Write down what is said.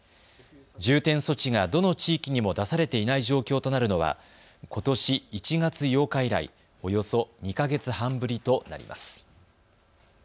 重点措置がどの地域にも出されていない状況となるのはことし１月８日以来、およそ２か月半ぶりとなります。